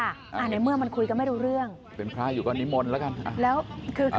อ่าในเมื่อมันคุยกันไม่รู้เรื่องเป็นพระอยู่ก็นิมนต์แล้วกันแล้วคือ